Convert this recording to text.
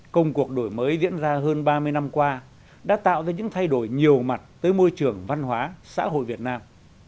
công cuộc đổi mới diễn ra hơn ba mươi năm qua đã tạo ra những thay đổi nhiều mặt tới môi trường văn hóa xã hội việt nam